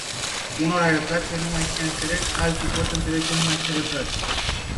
Unora le place numai ce înțeleg, alții pot înțelege numai ce le place.